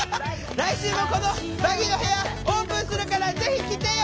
来週もこのバギーの部屋オープンするからぜひ来てよ！